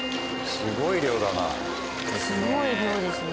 すごい量ですね。